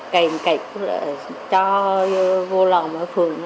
cầy một cây cũng là cho vô lòng ở phường